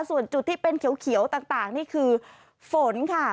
ส่วนจุดที่เป็นเขียวต่างนี่คือฝนค่ะ